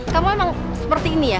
kamu emang seperti ini ya